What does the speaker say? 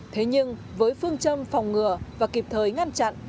thế nhưng với phương châm phòng ngừa và kịp thời ngăn chặn